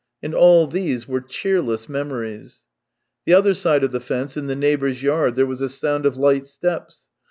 And all these were cheerless memories. The other side of the fence, in the neighbour's yard, there was a sound of light steps.